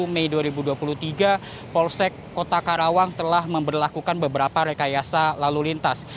dua puluh mei dua ribu dua puluh tiga polsek kota karawang telah memperlakukan beberapa rekayasa lalu lintas